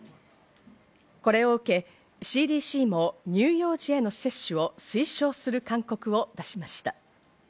これを受けＣＤＣも乳幼児への接種を推奨する勧告を出しました。